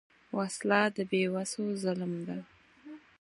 وسله د بېوسو ظلم ده